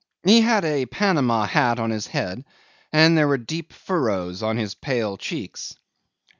He had a Panama hat on his head, and there were deep furrows on his pale cheeks.